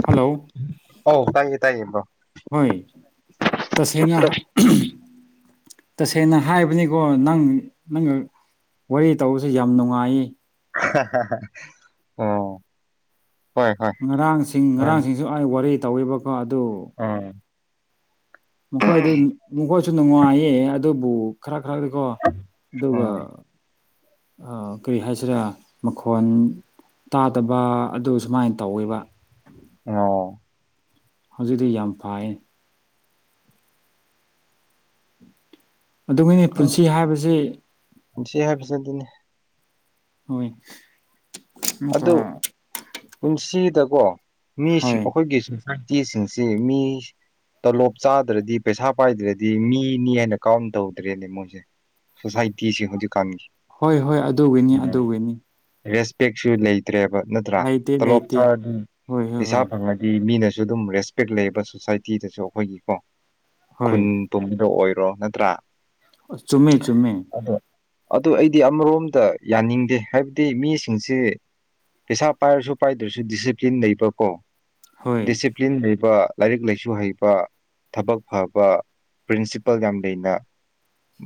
hello ꯑꯣ ꯇꯥꯏꯌꯦ ꯇꯥꯏꯌꯦꯕꯣ ꯍꯣꯏ ꯇꯁꯅꯁ ꯁꯦꯡꯅ ꯍꯥꯏꯕꯅꯤꯀꯣ ꯅꯪ ꯅꯪꯒ ꯋꯥꯔꯤ ꯇꯧꯕꯁꯨ ꯌꯥꯝ ꯅꯨꯡꯉꯥꯏ ꯑꯣ ꯍꯣꯏ ꯍꯣꯏ ꯉꯔꯥꯡꯁꯤꯡ ꯍꯣꯏ ꯉꯔꯥꯡꯁꯤꯡꯁꯨ ꯑꯩ ꯋꯥꯔꯤ ꯇꯧꯋꯕꯀꯣ ꯑꯗꯨ ꯎꯝ ꯃꯈꯣꯏꯗꯨ ꯃꯈꯣꯏꯁꯨ ꯅꯨꯡꯉꯥꯏꯌꯦ ꯑꯗꯨꯕꯨ ꯈꯔ ꯈꯔꯗꯤꯀꯣ ꯑꯗꯨꯒ ꯑꯗꯨꯒ ꯎꯝ ꯀꯔꯤ ꯍꯥꯏꯁꯤꯔꯥ ꯃꯈꯣꯟ ꯇꯥꯗꯕ ꯑꯗꯨ ꯁꯨꯃꯥꯏꯅ ꯇꯧꯋꯕ ꯑꯣ ꯍꯧꯖꯤꯛꯇꯤ ꯌꯥꯝ ꯐꯥꯏ ꯑꯗꯨꯒꯤꯅꯤ ꯄꯨꯟꯁꯤ ꯍꯥꯏꯕꯁꯤ ꯏꯆ ꯍꯥꯏꯕꯁꯤꯅ ꯑꯗꯨꯅꯦ ꯍꯣꯏ ꯑꯗꯨ ꯑꯃꯨꯛꯀ ꯄꯨꯟꯁꯤꯗꯀꯣ ꯃꯤꯁꯤꯡ ꯍꯣꯏ ꯑꯩꯈꯣꯏꯒꯤꯁꯨ ꯁꯥꯟꯇꯤꯁꯤꯡꯁꯦ ꯃꯤ ꯇꯣꯂꯣꯞ ꯆꯥꯗ꯭ꯔꯗꯤ ꯄꯩꯁꯥ ꯄꯥꯏꯗ꯭ꯔꯗꯤ ꯃꯤꯅꯤ ꯍꯥꯏꯅ ꯀꯥꯎꯟ ꯇꯧꯗ꯭ꯔꯦꯅꯦ ꯃꯣꯏꯁꯦ ꯁꯣꯁꯥꯏꯇꯤꯁꯤꯦ ꯍꯧꯖꯤꯛꯀꯥꯟꯒꯤ ꯍꯣꯏ ꯍꯣꯏ ꯑꯗꯨꯒꯤꯅꯤ ꯑꯗꯨꯒꯤꯅꯤ ꯔꯦꯁꯄꯦꯛꯁꯨ ꯂꯩꯇ꯭ꯔꯦꯕ ꯅꯠꯇ꯭ꯔꯥ ꯂꯩꯇꯦ ꯇꯣꯂꯣꯞ ꯂꯩꯇꯦ ꯆꯥꯔꯗꯤ ꯍꯣꯏ ꯍꯣꯏ ꯏꯁꯥ ꯍꯣꯏ ꯐꯪꯉꯗꯤ ꯃꯤꯅ ꯑꯗꯨꯝ ꯔꯦꯁꯄꯦꯛ ꯂꯩꯕ ꯁꯣꯁꯥꯏꯇꯤꯗꯁꯨ ꯑꯩꯈꯣꯏꯒꯤꯀꯣ ꯈꯨꯟ ꯍꯣꯏ ꯄꯨꯝꯕꯗ ꯑꯣꯏ ꯗꯣ ꯅꯠꯇ꯭ꯔꯥ ꯆꯨꯝꯃꯦ ꯆꯨꯝꯃꯦ ꯑꯗꯣ ꯑꯗꯨ ꯑꯩꯗꯤ ꯑꯃꯔꯣꯝꯗ ꯌꯥꯅꯤꯡꯗꯦ ꯍꯥꯏꯕꯗꯤ ꯃꯤ ꯁꯤꯡꯁꯤ ꯄꯩꯁꯥ ꯄꯥꯏꯔꯁꯨ ꯄꯥꯏꯗ꯭ꯔꯁꯨ ꯗꯤꯁꯤꯄ꯭ꯂꯤꯟ ꯂꯩꯕꯀꯣ ꯍꯣꯏ ꯗꯤꯁꯤꯄ꯭ꯂꯤꯟ ꯂꯩꯕ ꯂꯥꯏꯔꯤꯛ ꯂꯥꯏꯁꯨ ꯍꯩꯕ ꯊꯕꯛ ꯐꯕ ꯄ꯭ꯔꯤꯟꯁꯤꯄꯜ ꯌꯥꯝ ꯂꯩꯅ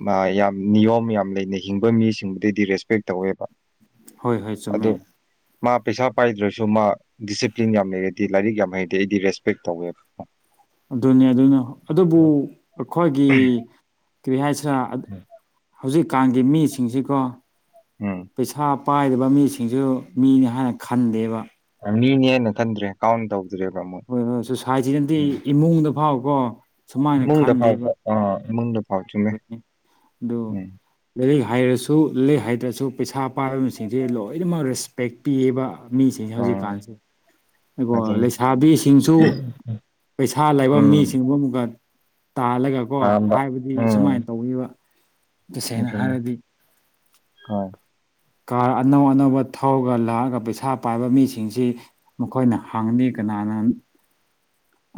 ꯃꯥ ꯌꯥꯝ ꯅꯤꯌꯣꯝ ꯌꯥꯝ ꯂꯩꯅ ꯍꯤꯡꯕ ꯃꯤꯁꯤꯡꯕꯨꯗꯤ ꯑꯩꯗꯤ ꯔꯦꯁꯄꯦꯛ ꯇꯧꯋꯦꯕ ꯍꯣꯏ ꯍꯣꯏ ꯆꯨꯝꯃꯦ ꯑꯗꯣ ꯃꯥ ꯄꯩꯁꯥ ꯄꯥꯏꯗ꯭ꯔꯁꯨ ꯃꯥ ꯗꯤꯁꯤꯄ꯭ꯂꯤꯟ ꯌꯥꯝ ꯂꯩꯔꯗꯤ ꯂꯥꯏꯔꯤꯛ ꯌꯥꯝ ꯍꯩꯔꯗꯤ ꯑꯩꯗꯤ ꯔꯦꯁꯄꯦꯛ ꯇꯧꯋꯦꯕꯀꯣ ꯑꯗꯨꯅꯦ ꯑꯗꯨꯅ ꯑꯗꯨꯕꯨ ꯑꯩꯈꯣꯏꯒꯤ ꯀꯔꯤ ꯍꯥꯏꯁꯤꯔ ꯥ ꯍꯧꯖꯤꯛꯀꯥꯟꯒꯤ ꯃꯤꯁꯤꯡꯁꯤꯀꯣ ꯎꯝ ꯄꯩꯁꯥ ꯄꯥꯏꯗꯕ ꯃꯤꯁꯤꯡꯁꯨ ꯃꯤꯅꯤ ꯍꯥꯏꯅ ꯈꯟꯗꯦꯕ ꯃꯤꯅꯤ ꯍꯥꯏꯅ ꯈꯟꯗ꯭ꯔꯦ ꯀꯥꯔꯝ ꯇꯧ ꯍꯣꯏ ꯍꯣꯏ ꯁꯣꯁꯥꯏꯇꯤꯅꯗꯤ ꯏꯃꯨꯡꯗ ꯐꯥꯎ ꯀꯣ ꯁꯨꯃꯥꯏꯅ ꯏꯃꯨꯡꯗ ꯈꯟꯗꯦꯕ ꯐꯥꯎꯕ ꯑꯥ ꯏꯃꯨꯡꯗ ꯐꯥꯎ ꯆꯨꯝꯃꯦ ꯑꯗꯨ ꯎꯝ ꯂꯥꯏꯔꯤꯛ ꯍꯥꯏꯔꯁꯨ ꯂꯥꯏꯔꯤꯛ ꯍꯥꯏꯗ꯭ꯔꯁꯨ ꯄꯩꯁꯥ ꯄꯥꯏꯕꯁꯤꯡꯁꯦ ꯂꯣꯏꯅꯃꯛ ꯔꯦꯁꯄꯦꯛ ꯄꯤꯌꯦꯕꯥ ꯃꯤꯁꯤꯡꯁꯦ ꯑꯥ ꯍꯧꯖꯤꯛꯀꯥꯟꯁꯦ ꯏꯕꯣ ꯑꯗꯨꯅꯤ ꯂꯩꯁꯥꯕꯤꯁꯤꯡꯁꯨ ꯄꯩꯁꯥ ꯂꯩꯥꯕ ꯎꯝ ꯃꯤꯁꯤꯡꯕꯨ ꯑꯃꯨꯛꯀ ꯇꯥꯜꯂꯒ ꯀꯣ ꯄꯥꯝꯕ ꯍꯥꯏꯕꯗꯤ ꯎꯝ ꯁꯨꯃꯥꯏꯅ ꯇꯧꯅꯤꯕ ꯇꯥꯁꯦꯡꯅ ꯅꯨꯡꯊꯤꯟ ꯍꯥꯏꯔꯗꯤ ꯍꯣꯏ ꯀꯥꯔ ꯑꯅꯧ ꯑꯅꯧꯕ ꯊꯧꯔꯒ ꯂꯥꯛꯑꯒ ꯄꯩꯁꯥ ꯄꯥꯏꯕ ꯃꯤꯁꯤꯡꯁꯤ ꯃꯈꯣꯏꯅ ꯍꯪꯅꯤ ꯀꯅꯥ ꯅꯣꯅꯥ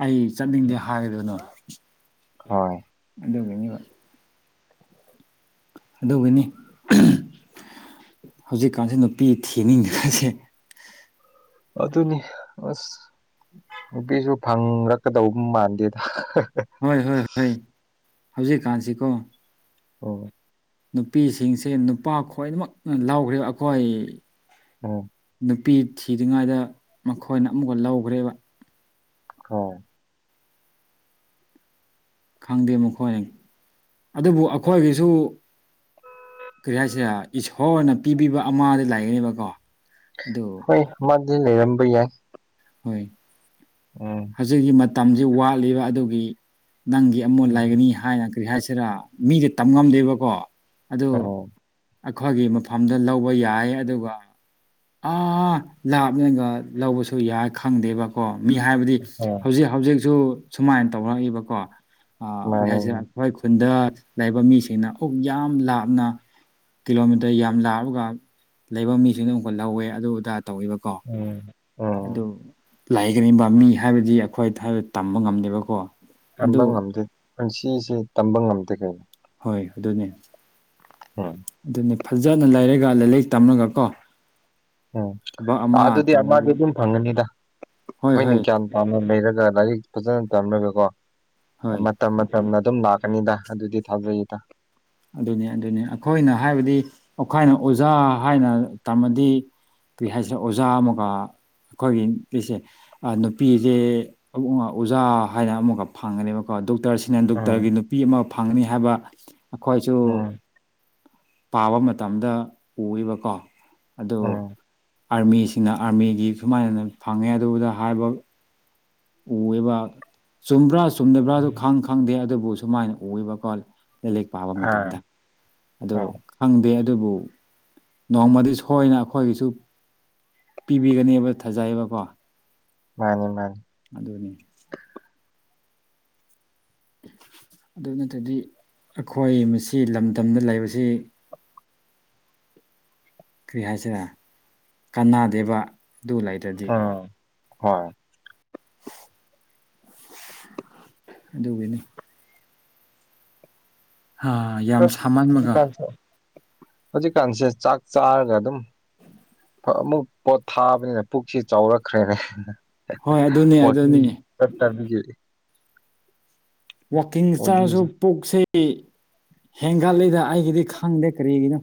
ꯑꯩ ꯆꯠꯅꯤꯡꯗꯦ ꯍꯥꯏꯒꯅꯣ ꯍꯣꯏ ꯑꯗꯨꯒꯤꯅꯤꯕ ꯑꯗꯨꯒꯤꯅꯤ ꯍꯧꯖꯤꯛꯀꯥꯟꯁꯤ ꯅꯨꯄꯤ ꯊꯤꯅꯤꯡꯗ꯭ꯔꯁꯦ ꯑꯗꯨꯅꯤ ꯑꯁ ꯅꯨꯄꯤꯁꯨ ꯐꯪꯔꯛꯀꯗꯧꯕ ꯃꯥꯟꯗꯦꯗꯥ ꯍꯣꯏ ꯍꯣꯏ ꯍꯣꯏ ꯍꯧꯖꯤꯛꯀꯥꯟꯁꯤꯀꯣ ꯑꯣ ꯅꯨꯄꯤꯁꯤꯡꯁꯦ ꯅꯨꯄꯥ ꯈꯨꯗꯤꯡꯃꯛꯅ ꯂꯧꯥꯈ꯭ꯔꯦꯕ ꯑꯩꯈꯣꯏ ꯎꯝ ꯅꯨꯄꯤ ꯊꯤꯗ꯭ꯔꯤꯉꯩꯗ ꯃꯈꯣꯏꯅ ꯑꯃꯨꯛꯀ ꯂꯧꯈ꯭ꯔꯦꯕ ꯍꯥꯎ ꯈꯪꯗꯦ ꯃꯈꯣꯏ ꯑꯗꯨꯕꯨ ꯑꯩꯈꯣꯏꯒꯤꯁꯨ ꯀꯔꯤ ꯍꯥꯏꯁꯦ ꯏꯁꯣꯔꯅ ꯄꯤꯕꯤꯕ ꯑꯃꯗꯤ ꯂꯩꯌꯦꯕꯥꯀꯣ ꯍꯣꯏ ꯑꯃꯗꯤ ꯂꯩꯔꯝꯕ ꯌꯥꯏ ꯍꯣꯏ ꯎꯝ ꯍꯧꯖꯤꯛꯀꯤ ꯃꯇꯝꯁꯤ ꯋꯥꯠꯂꯤꯕ ꯑꯗꯨꯒꯤ ꯅꯪꯒꯤ ꯑꯃꯨꯛ ꯂꯩꯒꯅꯤ ꯍꯥꯏꯅ ꯀꯔꯤ ꯍꯥꯏꯁꯤꯔ ꯃꯤꯗꯤ ꯇꯝ ꯉꯝꯗꯦꯕꯀꯣ ꯑꯗꯨ ꯑꯩꯈꯣꯏꯒꯤ ꯃꯐꯝꯗ ꯂꯧꯕ ꯌꯥꯏ ꯑꯗꯨꯒ ꯑꯥ ꯂꯥꯞꯅꯒ ꯂꯧꯕꯁꯨ ꯌꯥꯏ ꯈꯪꯗꯦꯕꯀꯣ ꯃꯤ ꯍꯥꯏꯕꯗꯤ ꯎꯝ ꯍꯧꯖꯤꯛ ꯍꯧꯖꯤꯛꯁꯨ ꯁꯨꯃꯥꯏꯅ ꯇꯧꯔꯛꯏꯕꯀꯣ ꯑꯥ ꯀꯔꯤ ꯃꯥꯅꯤ ꯍꯥꯏꯁꯤꯔꯥ ꯑꯩꯈꯣꯏ ꯈꯨꯟꯗ ꯂꯩꯕ ꯃꯤꯁꯤꯡꯅ ꯗꯨꯛ ꯌꯥꯝ ꯂꯥꯞꯅ ꯀꯤꯂꯣꯃꯤꯇꯔ ꯌꯥꯝ ꯂꯥꯞꯄꯒ ꯂꯩꯕ ꯃꯤꯁꯤꯡꯅ ꯑꯃꯨꯛꯀ ꯂꯧꯋꯦ ꯑꯗꯨ ꯑꯗꯥ ꯇꯧꯋꯦꯕꯀꯣ ꯎꯝ ꯑꯗꯨ ꯎꯝ ꯂꯩꯒꯅꯤꯕ ꯃꯤ ꯍꯥꯏꯕꯗꯤ ꯑꯩꯈꯣꯏ ꯍꯥꯏꯕꯗꯤ ꯇꯝꯕ ꯉꯝꯗꯦꯕꯀꯣ ꯑꯗꯨ ꯇꯝꯕ ꯉꯝꯗꯦ ꯄꯨꯟꯁꯤꯁꯦ ꯇꯝꯕ ꯉꯝꯗꯦ ꯀꯩꯅꯣ ꯍꯣꯏ ꯑꯗꯨꯅꯦ ꯎꯝ ꯑꯗꯨꯅꯦ ꯐꯖꯅ ꯂꯩꯔꯒ ꯂꯥꯏꯔꯤꯛ ꯇꯝꯃꯒ ꯀꯣ ꯎꯝ ꯊꯕꯛ ꯑꯃ ꯑꯗꯨꯗꯤ ꯇꯧꯔꯗꯤ ꯑꯃꯗꯤꯗꯤ ꯑꯗꯨꯝ ꯐꯪꯒꯅꯤꯗ ꯍꯣꯏ ꯍꯣꯏꯅ ꯍꯣꯏ ꯀ꯭ꯌꯥꯟ ꯄꯥꯝ ꯂꯩꯔꯒ ꯂꯥꯏꯔꯤꯛ ꯐꯖꯅ ꯇꯝꯃꯒꯀꯣ ꯍꯣꯏ ꯃꯇꯝ ꯃꯇꯝꯅ ꯑꯗꯨꯝ ꯂꯥꯛ ꯀꯅꯤꯗ ꯑꯗꯨꯗꯤ ꯊꯥꯖꯩꯌꯦꯗ ꯑꯗꯨꯅꯤ ꯑꯗꯨꯅꯤ ꯑꯩꯈꯣꯏꯅ ꯍꯥꯏꯕꯗꯤ ꯑꯩꯈꯣꯏꯅ ꯑꯣꯖꯥ ꯍꯥꯏꯅ ꯇꯝꯃꯗꯤ ꯀꯩ ꯍꯥꯏꯁꯤꯅꯦ ꯑꯣꯖꯥ ꯑꯃꯒ ꯑꯩꯈꯣꯏꯒꯤꯁꯦ ꯅꯨꯄꯤꯁꯦ ꯑꯣꯖꯥ ꯍꯥꯏꯅ ꯑꯃꯨꯛꯀ ꯐꯪꯒꯅꯦꯕꯀꯣ ꯗꯣꯛꯇꯔꯁꯤꯅ ꯎꯝ ꯗꯣꯛꯇꯔꯒꯤ ꯅꯨꯄꯤ ꯑꯃ ꯐꯪꯅꯤ ꯍꯥꯏꯕ ꯑꯩꯈꯣꯏꯁꯨ ꯎꯝ ꯄꯥꯕ ꯃꯇꯝꯗ ꯎꯕꯀꯣ ꯑꯗꯨ ꯎꯝ ꯑꯥꯔꯃꯤꯁꯤꯡꯅ ꯑꯥꯔꯃꯤꯒꯤ ꯁꯨꯃꯥꯏꯅꯅ ꯐꯪꯉꯦ ꯑꯗꯨꯗ ꯍꯥꯏꯔꯤꯕ ꯎꯑꯦꯕ ꯆꯨꯝꯕ꯭ꯔꯥ ꯆꯨꯝꯗꯕ꯭ꯔꯥꯁꯨ ꯈꯪ ꯈꯪꯗꯦ ꯑꯗꯨꯕꯨ ꯁꯨꯃꯥꯏꯅ ꯎꯑꯦꯕ ꯀꯣ ꯂꯥꯏꯂꯦꯛꯛ ꯄꯥꯕ ꯑꯥ ꯃꯇꯝꯗ ꯑꯥ ꯑꯣ ꯈꯪꯗꯦ ꯑꯗꯨꯕꯨ ꯅꯣꯡꯃꯗꯤ ꯁꯣꯏꯅ ꯑꯩꯈꯣꯏꯒꯤꯁꯨ ꯄꯤꯕꯤꯒꯅꯦꯕ ꯊꯥꯖꯩꯌꯦꯕꯀꯣ ꯃꯥꯅꯤ ꯃꯥꯅꯤ ꯑꯗꯨꯗꯅꯦ ꯑꯗꯨ ꯅꯠꯇꯗꯤ ꯑꯩꯈꯣꯏ ꯃꯁꯤ ꯂꯝꯗꯝꯗ ꯂꯩꯕꯁꯤ ꯀꯔꯤ ꯍꯥꯏꯁꯤꯔꯦ ꯀꯅꯥꯗꯦꯕ ꯑꯗꯨ ꯂꯩꯔꯗꯤ ꯎꯝ ꯍꯣꯏ ꯑꯗꯨꯒꯤꯅꯤ ꯑꯥ ꯌꯥꯝ ꯑꯁ ꯁꯥꯃꯟꯕꯒ ꯍꯧꯖꯤꯛꯀꯥꯟꯁꯦ ꯍꯧꯖꯤꯛꯀꯥꯟꯁꯦ ꯆꯥꯛ ꯆꯥꯔꯒ ꯑꯗꯨꯝ ꯑꯃꯨꯛ ꯄꯣꯠ ꯊꯥꯕꯅꯤꯅ ꯄꯨꯛꯁꯤ ꯆꯥꯎꯔꯛꯈ꯭ꯔꯦꯅꯦ ꯍꯣꯏ ꯑꯗꯨꯅꯤ ꯋꯥ ꯑꯗꯨꯅꯤ ꯆꯠ ꯇꯥꯕꯤꯦ ꯋꯥꯋꯥꯛꯀꯤꯡ ꯆꯥꯔꯁꯨ ꯕꯣꯗꯤꯁꯦ ꯄꯣꯛꯁꯦ ꯍꯦꯟꯒꯠꯂꯤꯗ ꯑꯩꯒꯤꯗꯤ ꯈꯪꯗꯦ ꯀꯔꯤꯒꯤꯅꯣ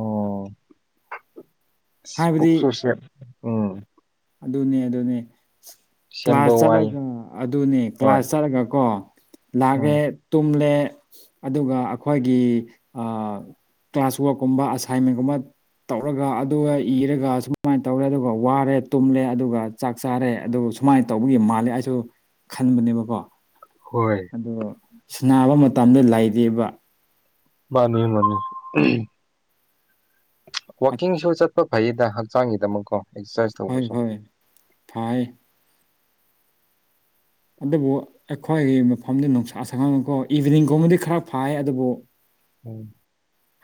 ꯑꯣꯝ ꯍꯥꯏꯕꯗꯤ ꯄꯨꯁꯨꯁꯠ ꯎꯝ ꯑꯗꯨꯅꯦ ꯑꯗꯨꯅꯦ ꯁꯦꯝꯕ ꯀ꯭ꯂꯥꯁ ꯋꯥꯏ ꯆꯠꯂꯒ ꯑꯗꯨꯅꯦ ꯍꯣꯏ ꯀ꯭ꯂꯥꯁ ꯆꯠꯂꯒ ꯀꯣ ꯎꯝ ꯂꯥꯛꯦ ꯇꯨꯝꯂ ꯑꯗꯨꯒ ꯑꯩꯈꯣꯏꯒꯤ ꯀ꯭ꯂꯥꯁ ꯋꯥꯔꯛꯀꯨꯝꯕ ꯑꯁꯥꯏꯟꯃꯦꯟꯒꯨꯝꯕ ꯇꯧꯔꯒ ꯑꯗꯨꯒ ꯏꯔꯒ ꯁꯨꯃꯥꯏꯅ ꯇꯧꯔꯦ ꯑꯗꯨꯒ ꯋꯥꯔꯦ ꯇꯨꯝꯂꯦ ꯑꯗꯨꯒ ꯆꯥꯛ ꯆꯥꯔꯦ ꯑꯗꯨ ꯁꯨꯃꯥꯏꯅ ꯇꯧꯕꯒꯤ ꯃꯥꯜꯂꯦ ꯑꯩꯁꯨ ꯈꯟꯕꯅꯦꯕꯀꯣ ꯍꯣꯏ ꯑꯗꯣ ꯁꯤꯅꯥꯕ ꯃꯇꯝꯗ ꯂꯩꯥꯏꯕ ꯃꯥꯅꯤ ꯃꯥꯅꯤ ꯋꯥꯀꯤ ꯁꯣ ꯆ ꯐ ꯐꯩꯗ ꯍꯛꯆꯥꯡꯒꯤꯗꯃꯛꯀꯣ ꯑꯦꯛꯁꯔꯁꯥꯏꯁ ꯍꯣꯏ ꯇꯧꯕꯁꯨ ꯍꯣꯏ ꯐꯥꯏ ꯑꯗꯨꯕꯨ ꯑꯩꯈꯣꯏꯒꯤ ꯃꯐꯝꯗ ꯅꯨꯡꯁꯥ ꯁꯉꯥꯡꯅꯀꯣ ꯏꯚꯤꯅꯤꯡꯒꯨꯝꯕꯗꯤ ꯈꯔ ꯐꯥꯏ ꯑꯗꯨꯕꯨ ꯎꯝ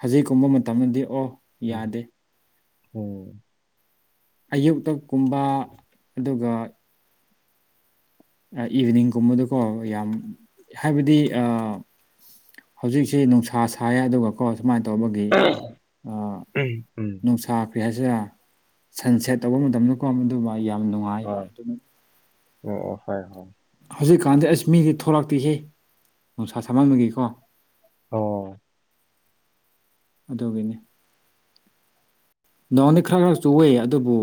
ꯍꯧꯖꯤꯛꯀꯨꯝꯕ ꯃꯇꯝꯗꯗꯤ ꯑꯣ ꯌꯥꯗꯦ ꯎꯝ ꯑꯌꯨꯛꯇ ꯀꯨꯝꯕ ꯑꯗꯨꯒ ꯏꯚꯤꯅꯤꯡꯒꯨꯝꯕꯗꯀꯣ ꯌꯥꯝ ꯍꯥꯏꯕꯗꯤ ꯍꯧꯖꯤꯛꯁꯤꯦ ꯅꯨꯡꯁꯥ ꯁꯥꯏ ꯑꯗꯨꯒꯀꯣ ꯁꯨꯃꯥꯏꯅ ꯇꯧꯕꯒꯤ ꯎꯝ ꯎꯝ ꯅꯨꯡꯁꯥ ꯀꯔꯤ ꯍꯥꯏꯁꯦ ꯁꯟ ꯁꯦꯠ ꯇꯧꯕ ꯃꯇꯝꯗꯀꯣ ꯃꯗꯨꯃ ꯌꯥꯝ ꯅꯨꯡꯉꯥꯏꯕ ꯍꯣꯏ ꯑꯗꯨꯅ ꯑꯣ ꯍꯣꯏ ꯍꯣꯏ ꯍꯧꯖꯤꯛꯀꯥꯟꯗꯤ ꯑꯁ ꯃꯤꯗꯤ ꯊꯣꯛꯂꯛꯇꯦꯍ ꯅꯨꯡꯁꯥ ꯁꯍꯟꯕꯒꯤꯀꯣ ꯑꯣ ꯑꯗꯨꯒꯤꯅꯤ ꯅꯣꯡꯅꯤ ꯈꯔ ꯈꯔꯁꯨ ꯑꯣꯏꯦ ꯑꯗꯨꯕꯨ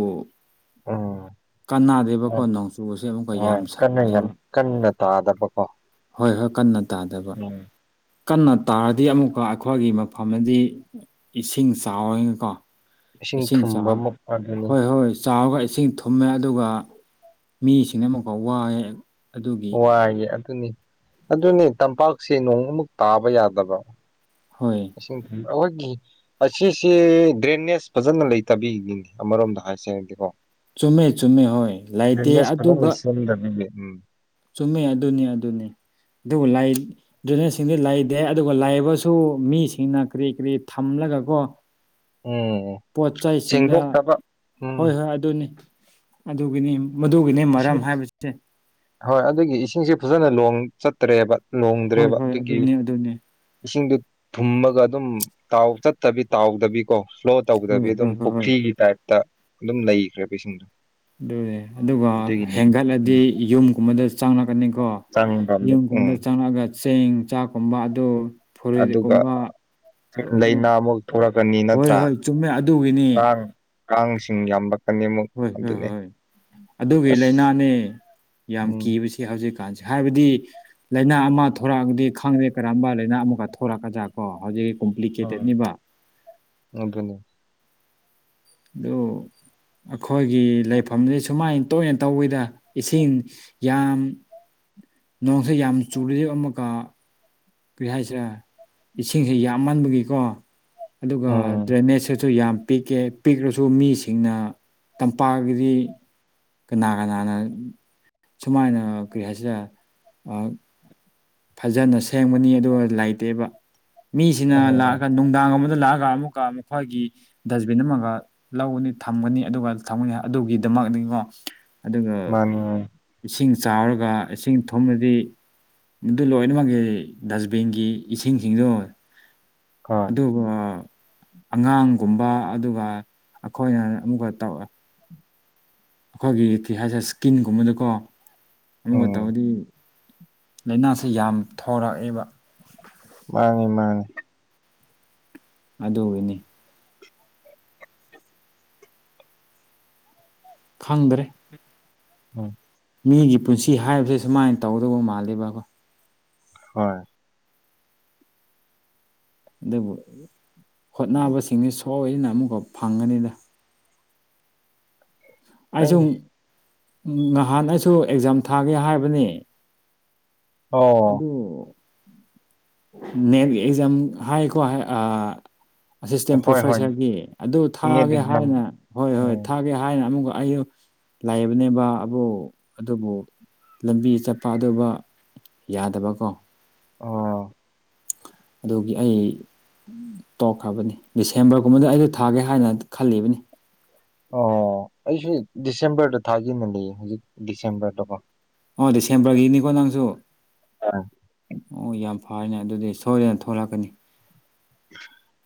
ꯎꯝ ꯑꯣ ꯀꯅꯥꯗꯦꯕꯀꯣ ꯅꯣꯡꯆꯨꯁꯦ ꯑꯃꯨꯛꯀ ꯌꯥꯝ ꯍꯣꯏ ꯀꯟꯅ ꯌꯥꯝ ꯁꯥꯏꯌꯦꯕ ꯀꯟꯅ ꯇꯥꯗꯕꯀꯣ ꯍꯣꯏ ꯍꯣꯏ ꯀꯟꯅ ꯇꯥꯗꯕ ꯎꯝ ꯀꯟꯅ ꯇꯥꯔꯗꯤ ꯑꯃꯨꯛꯀ ꯑꯩꯈꯣꯏꯒꯤ ꯃꯐꯝꯗꯗꯤ ꯏꯁꯤꯡ ꯆꯥꯎꯋꯅꯤꯀꯣ ꯏꯁꯤꯡ ꯊꯨꯝꯕ ꯆꯥꯛ ꯑꯃꯨꯛ ꯑꯗꯨꯅꯤ ꯍꯣꯏ ꯍꯣꯏ ꯆꯥꯎꯔꯒ ꯏꯁꯤꯡ ꯊꯨꯝꯃꯦ ꯑꯗꯨꯒ ꯃꯤꯁꯤꯡꯅ ꯑꯃꯨꯛꯀ ꯋꯥꯑꯦ ꯋꯥꯏꯌꯦ ꯑꯗꯨꯅꯤ ꯑꯗꯨꯅꯤ ꯇꯝꯄꯥꯛꯁꯦ ꯅꯣꯡꯃꯨꯛ ꯇꯥꯕ ꯌꯥꯗꯕ ꯍꯣꯏ [inaudible] ꯑꯩꯈꯣꯏꯒꯤ ꯑꯁꯤꯁꯦ ꯗ꯭ꯔꯦꯅꯦꯖ ꯐꯖꯅ ꯂꯩꯇꯕꯤꯒꯤꯅꯦ ꯑꯃꯔꯣꯝꯗ ꯍꯥꯏꯁꯔꯗꯤꯀꯣ ꯆꯨꯝꯃꯦ ꯆꯨꯝꯃꯦ ꯍꯣꯏ ꯂꯩꯇꯦ [unintelligible] ꯆꯨꯃꯤ ꯑꯗꯨꯅꯤ ꯑꯗꯨꯅꯤ ꯑꯗꯨꯕꯨꯅꯦꯁꯤꯡꯗꯤ ꯂꯩꯇꯦ ꯑꯗꯨꯒ ꯂꯩꯥꯏꯕꯁꯨ ꯃꯤꯁꯤꯡꯅ ꯀꯔꯤ ꯀꯔꯤ ꯊꯝꯂ ꯅꯒꯀꯣ ꯎꯝ ꯄꯣꯠ ꯆꯩꯁꯤꯡꯅ ꯁꯦꯡꯗꯣꯛꯇꯕ ꯍꯣꯏ ꯎꯝ ꯍꯣꯏ ꯑꯗꯨꯅꯤ ꯑꯗꯨꯒꯤꯅꯤ ꯃꯗꯨꯒꯤꯅꯤ ꯃꯔꯝ ꯏꯁꯤꯡ ꯍꯥꯏꯕꯁꯦ ꯍꯣꯏ ꯑꯗꯨꯒꯤ ꯏꯁꯤꯡꯁꯦ ꯐꯖꯅ ꯅꯣꯡ ꯆꯠꯇ꯭ꯔꯦꯕ ꯍꯣꯏ ꯂꯣꯡꯗ꯭ꯔꯦꯕ ꯍꯣꯏ ꯑꯗꯨꯒꯤ ꯑꯗꯨꯅꯤ ꯑꯗꯨꯅꯤ ꯏꯁꯤꯡꯗꯨ ꯊꯨꯝꯃꯒ ꯑꯗꯨꯝ ꯇꯥꯎ ꯆꯠꯇꯕꯤ ꯇꯥꯎꯗꯕꯤ ꯀꯣ ꯐ꯭ꯂꯣ ꯇꯧꯕꯗꯕꯤ ꯍꯣꯏ ꯍꯣꯏ ꯑꯗꯨꯝ ꯍꯣꯏ ꯍꯣꯏ ꯄꯨꯈ꯭ꯔꯤꯒꯤ ꯇꯥꯏꯞꯇ ꯑꯗꯨꯝ ꯂꯩꯈ꯭ꯔꯦꯕ ꯏꯁꯤꯡꯗꯣ ꯑꯗꯨꯅꯦ ꯑꯗꯨꯒ ꯑꯗꯨꯒꯤꯅꯤ ꯎꯝ ꯍꯦꯟꯒꯠꯂꯗꯤ ꯌꯨꯝꯒꯨꯝꯕꯗ ꯆꯪꯂꯛꯀꯅꯤꯀꯣ ꯆꯪꯕ ꯑꯃꯨꯛ ꯎꯝ ꯌꯨꯝꯒꯨꯝꯕꯗ ꯆꯪꯂꯛꯑꯒ ꯆꯦꯡ ꯆꯥꯛꯀꯨꯝꯕ ꯑꯗꯨ ꯐꯨꯔꯤꯠꯀꯨꯝꯕ ꯂꯣꯏꯅꯃꯛ ꯂꯥꯏꯅꯥ ꯑꯃꯨꯛ ꯊꯣꯛꯂꯛꯀꯅꯤ ꯍꯣꯏ ꯅꯠꯇ꯭ꯔꯥ ꯍꯣꯏ ꯆꯨꯝꯃꯦ ꯑꯗꯨꯒꯤꯅꯤ ꯀꯥꯡ ꯀꯥꯡꯁꯤꯡ ꯌꯥꯝꯕ ꯍꯣꯏ ꯍꯣꯏ ꯍꯣꯏ ꯑꯗꯨꯒꯤ ꯑꯁ ꯂꯥꯏꯅꯥꯅꯦ ꯌꯥꯝ ꯎꯝ ꯀꯤꯕꯁꯤ ꯍꯧꯖꯤꯛ ꯀꯥꯟꯁꯦ ꯍꯥꯏꯕꯗꯤ ꯂꯥꯏꯅꯥ ꯑꯃ ꯊꯣꯛꯔꯛꯑꯗꯤ ꯈꯪꯗꯦ ꯀꯔꯝꯕ ꯂꯥꯏꯅꯥ ꯑꯃꯀ ꯊꯣꯛꯣꯔꯛꯀꯗ꯭ꯔ ꯀꯣ ꯍꯧꯖꯤꯛ ꯀꯣꯝꯄ꯭ꯂꯤꯀꯦꯇꯦꯠꯅꯤꯕ ꯑꯗꯨꯅꯤ ꯑꯗꯨ ꯑꯩꯈꯣꯏꯒꯤ ꯂꯩꯐꯝꯁꯦ ꯁꯨꯃꯥꯏꯅ ꯇꯣꯏꯅ ꯇꯧꯋꯤꯗ ꯏꯁꯤꯡ ꯌꯥꯝ ꯅꯣꯡꯁꯦ ꯌꯥꯝ ꯆꯨ ꯑꯃꯨꯛꯀ ꯀꯔꯤ ꯍꯥꯏꯁꯤꯔ ꯏꯁꯤꯡꯁꯤ ꯌꯥꯝꯃꯟꯕꯒꯤꯀꯣ ꯑꯗꯨꯒ ꯎꯝ ꯗ꯭ꯔꯦꯅꯦꯖꯁꯨ ꯁꯨ ꯌꯥꯝ ꯄꯤꯛꯀꯦ ꯄꯤꯛꯂꯁꯨ ꯃꯤꯁꯤꯡꯅ ꯇꯝꯄꯥꯛꯒꯤꯗꯤ ꯀꯅꯥ ꯀꯅꯥꯅ ꯁꯨꯃꯥꯏꯅ ꯀꯔꯤ ꯍꯥꯏꯁꯤꯗ ꯐꯖꯅ ꯁꯦꯡꯕꯅꯤ ꯑꯗꯨꯒ ꯂꯩꯥꯏꯇꯦꯕ ꯃꯤꯁꯤꯅ ꯍꯣꯏ ꯂꯥꯛꯑꯒ ꯅꯨꯡꯗꯥꯡ ꯑꯃꯗ ꯂꯥꯛꯑꯒ ꯑꯃ ꯃꯈꯣꯏꯒꯤ ꯗꯁꯕꯤꯟ ꯑꯃꯒ ꯂꯧꯒꯅꯤ ꯊꯝꯒꯅꯤ ꯑꯗꯨꯒ ꯊꯝꯒꯅꯤ ꯑꯗꯨꯒꯤꯗꯃꯛꯅꯤꯉꯣ [inaudible] ꯃꯥꯅꯤ ꯏꯁꯤꯡ ꯆꯥꯎꯔꯒ ꯏꯁꯤꯡ ꯊꯨꯝꯃꯗꯤ ꯑꯗꯨ ꯂꯣꯏꯅꯃꯛꯀꯤ ꯗꯁꯕꯤꯟꯒꯤ ꯏꯁꯤꯡꯁꯤꯡꯗꯣ ꯍꯣꯏ ꯑꯗꯨ ꯑ ꯑꯉꯥꯡꯒꯨꯝꯕ ꯑꯗꯨꯒ ꯑꯩꯈꯣꯏꯅ ꯑꯃꯨꯛꯀ ꯇꯧꯋꯦ ꯑꯩꯈꯣꯏꯒꯤ ꯀꯤ ꯍꯥꯏꯁꯦ ꯏꯁꯀꯤꯟꯒꯨꯝꯕꯗꯀꯣ ꯑꯃꯨꯒ ꯎꯝ ꯇꯧꯔꯗꯤ ꯂꯥꯏꯅꯥꯁꯤ ꯌꯥꯝ ꯊꯣꯔꯛꯑꯦꯕ ꯃꯥꯅꯦ ꯃꯥꯅꯤ ꯑꯗꯣꯏꯅꯦ ꯈꯪꯗ꯭ꯔꯦ ꯑ ꯃꯤꯒꯤ ꯄꯨꯟꯁꯤ ꯍꯥꯏꯕꯁꯦ ꯁꯨꯃꯥꯏꯅ ꯇꯧꯗꯧꯕ ꯃꯥꯜꯂꯦꯕ ꯑꯩꯈꯣꯏ ꯍꯣꯏ ꯑꯗꯨꯕꯨ ꯍꯣꯠꯅꯕꯁꯤꯡꯁꯤ ꯁꯣꯏꯗꯅ ꯑꯃꯨꯛꯀ ꯐꯪꯒꯅꯤꯗ ꯑꯩꯁꯨ ꯍꯣꯏꯅꯦ ꯅꯍꯥꯟ ꯑꯩꯁꯨ ꯑꯦꯛꯖꯥꯝ ꯊꯥꯒꯦ ꯍꯥꯏꯕꯅꯤ ꯑꯣ ꯑꯗꯨ ꯅꯦꯠ ꯑꯦꯛꯖꯥꯝ ꯍꯥꯏ ꯀꯣ ꯍꯥꯏ ꯑ ꯑꯁꯤꯁꯇꯦꯟ ꯍꯣꯏ ꯍꯣꯏ ꯄ꯭ꯔꯣꯐꯦꯁꯔꯒꯤ ꯑꯗꯨ ꯅꯦꯠ ꯊꯥꯒꯦ ꯑꯦꯛꯖꯥꯝ ꯍꯥꯏꯅ ꯍꯣꯏ ꯍꯣꯏ ꯎꯝ ꯊꯥꯒꯦ ꯍꯥꯏꯅ ꯑꯃꯨꯛꯒ ꯑꯩꯗꯣ ꯂꯥꯢꯕꯅꯦꯕ ꯑꯕꯨ ꯑꯗꯨꯕꯨ ꯂꯝꯕꯤ ꯆꯠꯄꯥ ꯑꯗꯨꯕ ꯌꯥꯗꯕꯀꯣ ꯑꯣ ꯑꯗꯨꯒꯤ ꯑꯩ ꯇꯣꯛꯈ꯭ꯔꯕꯅꯦ ꯗꯤꯁꯦꯝꯕꯔꯒꯨꯝꯕꯗ ꯑꯩꯗ ꯊꯥꯒꯦ ꯍꯥꯏꯅ ꯈꯜꯂꯤꯕꯅꯤ ꯑꯣ ꯑꯩꯁꯨ ꯗꯤꯁꯦꯝꯕꯔꯗ ꯊꯥꯖꯤꯅꯅꯤ ꯍꯧꯖꯤꯛ ꯗꯤꯁꯦꯝꯕꯔꯗꯀꯣ ꯑꯣ ꯗꯤꯁꯦꯝꯕꯔꯒꯤꯅꯤꯀꯣ ꯅꯪꯁꯨ ꯑꯥ ꯑꯣ ꯌꯥꯝ ꯐꯥꯢꯅꯦ ꯑꯗꯨꯗꯤ ꯁꯣꯏꯗꯅ ꯊꯣꯔꯛꯀꯅꯤ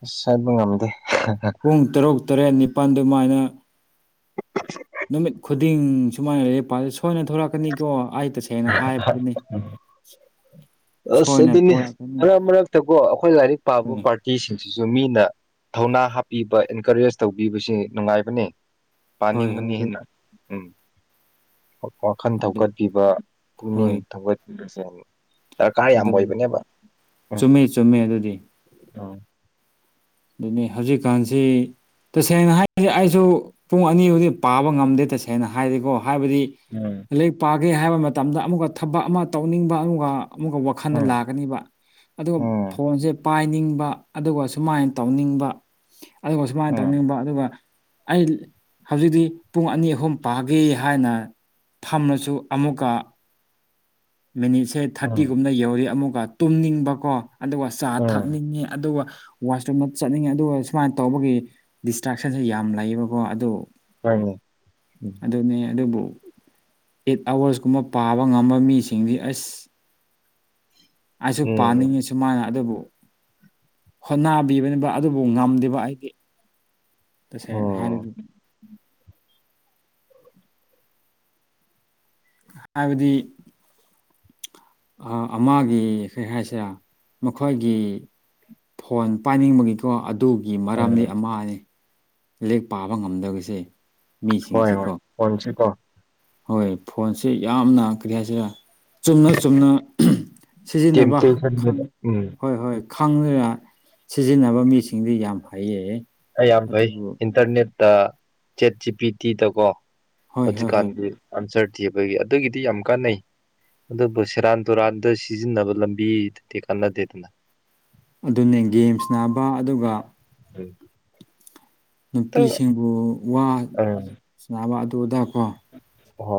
ꯑꯁ ꯍꯥꯏꯕ ꯉꯝꯗꯦ ꯄꯨꯡ ꯇꯔꯨꯛ ꯇꯔꯦꯠ ꯅꯤꯄꯥꯟ ꯗꯨꯃꯥꯏꯅ ꯅꯨꯃꯤꯠ ꯈꯨꯗꯤꯡ ꯁꯨꯃꯥꯏꯅ ꯂꯩꯔꯤꯛ ꯄꯥ ꯁꯣꯏꯅ ꯊꯣꯂꯛꯀꯅꯤꯀꯣ ꯑꯥꯢ ꯇꯁꯦꯡꯅ ꯍꯥꯏꯕꯗꯨꯅꯤ ꯑꯁ ꯑꯗꯨꯅꯤ ꯃꯔꯛ ꯃꯔꯛꯇꯀꯣ ꯑꯩꯈꯣꯏ ꯂꯥꯏꯔꯤꯛ ꯄꯥꯕ ꯍꯣꯏ ꯄꯥꯔꯇꯤꯁꯤ ꯁꯤꯁꯨ ꯃꯤꯅ ꯊꯧꯅꯥ ꯍꯥꯞꯄꯤꯕ ꯑꯦꯟꯀꯔꯦꯖ ꯇꯧꯕꯤꯕꯁꯤ ꯅꯨꯡꯉꯥꯏꯕꯅꯦ ꯍꯣꯏ ꯍꯣꯏ ꯄꯥꯅꯤꯡꯕꯅꯦ ꯑꯗꯨ ꯍꯦꯟꯅ ꯎꯝ ꯋꯥꯈꯟ ꯑꯗꯨ ꯊꯧꯒꯠꯄꯤꯕ ꯄꯨꯛꯅꯤꯡ ꯍꯣꯏ ꯊꯧꯒꯠꯄꯤꯕꯁꯦ ꯗꯔꯀꯥꯔ ꯌꯥꯝꯕ ꯑꯗꯨꯅꯤ ꯑꯣꯏꯕꯅꯦꯕ ꯎꯝ ꯆꯨꯝꯃꯦ ꯆꯨꯝꯃꯦ ꯑꯗꯨꯗꯤ ꯎꯝ ꯑꯗꯨꯅꯤ ꯍꯧꯖꯤꯛꯀꯥꯟꯁꯤ ꯇꯁꯦꯡꯅ ꯍꯥꯏꯕꯁꯤ ꯑꯩꯁꯨ ꯄꯨꯡ ꯑꯅꯤꯕꯨꯗꯤ ꯄꯥꯕ ꯉꯝꯗꯦ ꯇꯁꯦꯡꯅ ꯍꯥꯏꯔꯗꯤꯀꯣ ꯍꯥꯏꯕꯗꯤ ꯎꯝ ꯂꯥꯏꯔꯤꯛ ꯄꯥꯒꯦ ꯍꯥꯏꯕ ꯃꯇꯝꯗ ꯑꯃꯨꯛꯀ ꯊꯕꯛ ꯑꯃ ꯇꯧꯅꯤꯡꯕ ꯑꯃꯨꯛꯀ ꯑꯃꯨꯛꯀ ꯋꯥꯈꯜꯗ ꯎꯝ ꯂꯥꯛꯀꯅꯤꯕ ꯑꯗꯨꯒ ꯎꯝ ꯐꯣꯟꯁꯦ ꯄꯥꯏꯅꯤꯡꯕ ꯑꯗꯨꯒ ꯁꯨꯃꯥꯏ ꯇꯧꯅꯤꯡꯕ ꯑꯗꯨꯒ ꯁꯨꯃꯥꯏꯅ ꯎꯝ ꯇꯧꯅꯤꯡꯕ ꯑꯗꯨꯒ ꯑꯩ ꯍꯧꯖꯤꯛꯇꯤ ꯄꯨꯡ ꯑꯅꯤ ꯑꯍꯨꯝ ꯄꯥꯒꯦ ꯍꯥꯏꯅ ꯐꯝꯔꯁꯨ ꯑꯃꯨꯛꯀ ꯃꯤꯅꯤꯠꯁꯦ ꯎꯝ ꯊꯥꯔꯇꯤꯒꯨꯝꯅ ꯌꯧꯔꯤ ꯑꯃꯨꯛꯀ ꯇꯨꯝꯅꯤꯡꯕꯀꯣ ꯑꯗꯨꯒ ꯆꯥ ꯎꯝ ꯊꯛꯅꯤꯡꯉꯦ ꯑꯗꯨꯒ ꯋꯥꯁꯔꯨꯝꯗ ꯆꯠꯅꯤꯡꯉꯦ ꯑꯗꯨꯒ ꯁꯨꯃꯥꯏꯅ ꯇꯧꯕꯒꯤ ꯗꯤꯁꯇ꯭ꯔꯦꯛꯁꯟꯁꯦ ꯌꯥꯝ ꯂꯩꯌꯦꯕꯀꯣ ꯑꯗꯨ ꯍꯣꯏꯅꯦ ꯎꯝ ꯑꯗꯨꯅꯦ ꯐꯗꯨꯕꯨ ꯑꯦꯠ ꯑꯋꯥꯔꯁ ꯀꯨꯝꯕ ꯄꯥꯕ ꯉꯝꯕ ꯃꯤꯁꯤꯡꯗꯤ ꯑꯁ ꯑꯩꯁꯨ ꯎꯝ ꯄꯥꯅꯤꯡꯉꯦ ꯁꯨꯃꯥꯏꯅ ꯑꯗꯨꯕꯨ ꯍꯣꯠꯅꯕꯤꯕꯅꯦꯕ ꯑꯗꯨꯕꯨ ꯉꯝꯗꯦꯕ ꯑꯩꯗꯤ ꯇꯁꯦꯡꯅ ꯎꯝ ꯍꯥꯢꯔꯗꯤ [inaudible] ꯍꯥꯏꯕꯗꯤ ꯑꯃꯒꯤ ꯀꯩ ꯍꯥꯏꯁꯤꯔꯥ ꯃꯈꯣꯏꯒꯤ ꯐꯣꯟ ꯄꯥꯏꯅꯤꯡꯕꯒꯤꯀꯣ ꯑꯗ ꯗꯨꯒꯤ ꯃꯔꯝꯗꯤ ꯎꯝ ꯑꯃꯅꯦ ꯂꯤꯛ ꯄꯥꯕ ꯉꯝꯗꯕꯁꯦ ꯍꯣꯏ ꯍꯣꯏ ꯃꯤꯁꯤꯡꯁꯤꯀꯣ ꯐꯣꯟꯁꯤ ꯀꯣ ꯍꯣꯏ ꯐꯣꯟꯁꯦ ꯌꯥꯝꯅ ꯀꯔꯤ ꯍꯥꯏꯁꯤꯔꯥ ꯆꯨꯝꯅ ꯆꯨꯝꯅ ꯁꯤꯖꯤꯟꯅꯕ ꯈꯪ ꯇꯦꯝꯇꯦꯁꯟꯗꯨꯗ ꯎꯝ ꯍꯣꯏ ꯍꯣꯏ ꯈꯪꯂꯒ ꯁꯤꯖꯤꯟꯅꯕ ꯃꯤꯁꯤꯡꯗꯤ ꯌꯥꯝ ꯍꯩꯌꯦ ꯌꯥꯝ ꯐꯩ ꯑꯗꯨꯕꯨ ꯏꯟꯇꯔꯅꯦꯠꯇ ꯆꯦꯠ ꯖꯤ ꯄꯤ ꯇꯤꯗ ꯀꯣ ꯍꯣꯏ ꯍꯣꯏ ꯍꯣꯏ ꯍꯧꯖꯤꯛꯀꯥꯟꯗꯤ ꯑꯟꯁꯔ ꯊꯤꯕꯒꯤ ꯑꯗꯨꯒꯤꯗꯤ ꯌꯥꯝ ꯀꯥꯟꯅꯩ ꯑꯗꯨꯕꯨ ꯁꯦꯔꯥꯟ ꯇꯨꯔꯥꯟꯗ ꯁꯤꯖꯤꯟꯅꯕ ꯂꯝꯕꯤꯗꯨꯗꯤ ꯀꯥꯟꯅꯗꯦꯗꯅ ꯑꯗꯨꯅꯦ ꯒꯦꯝ ꯁꯅꯥꯕ ꯑꯗꯨꯒ ꯎꯝ ꯇ ꯅꯨꯄꯤꯁꯤꯡꯕꯨ ꯋꯥ ꯑ ꯁꯅꯕ ꯑꯗꯨꯗꯀꯣ ꯍꯣꯏ